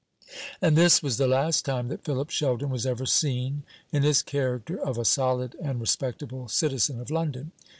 And this was the last time that Philip Sheldon was ever seen in his character of a solid and respectable citizen of London.